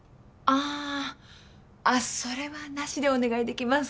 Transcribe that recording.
あっそれはなしでお願いできますか。